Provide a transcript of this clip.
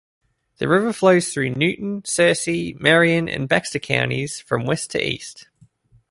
The river flows through Newton, Searcy, Marion, and Baxter Counties, from west to east.